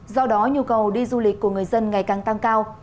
do đó nhu cầu đi du lịch của người dân ngày càng tăng cao